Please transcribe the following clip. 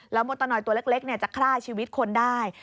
แล้วมดตัวหน่อยตัวเล็กจะฆ่าชีวิตคนได้